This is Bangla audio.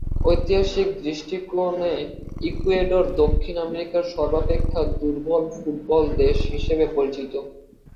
ঐতিহাসিক দৃষ্টিকোণে ইকুয়েডর দক্ষিণ আমেরিকার সর্বাপেক্ষা দুর্বল ফুটবল দেশ হিসেবে পরিচিত।